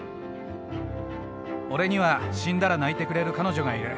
俺には死んだら泣いてくれる彼女がいる。